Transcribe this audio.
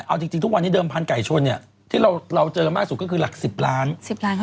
เอาจริงทุกวันนี้เดิมพันธุไก่ชนเนี่ยที่เราเจอมากสุดก็คือหลัก๑๐ล้าน